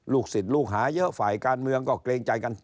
ศิษย์ลูกหาเยอะฝ่ายการเมืองก็เกรงใจกัน